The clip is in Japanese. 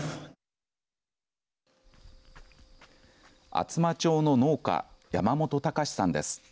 厚真町の農家山本隆司さんです。